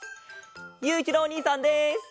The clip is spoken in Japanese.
ゆういちろうおにいさんです！